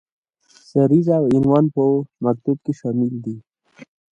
سریزه او عنوان په مکتوب کې شامل دي.